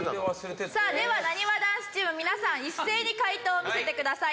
さあではなにわ男子チーム皆さん一斉に解答を見せてください。